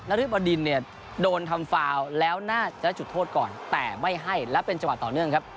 ริบดินเนี่ยโดนทำฟาวแล้วน่าจะได้จุดโทษก่อนแต่ไม่ให้และเป็นจังหวะต่อเนื่องครับ